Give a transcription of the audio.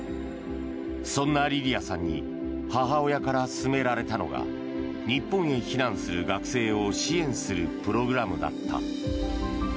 そんなリリアさんに母親から勧められたのが日本へ避難する学生を支援するプログラムだった。